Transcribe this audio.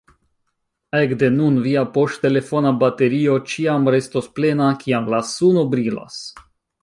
Ekde nun via poŝtelefona baterio ĉiam restos plena, kiam la suno brilas!